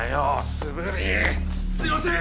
すいません！